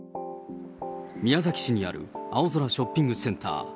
宮崎市にある青空ショッピングセンター。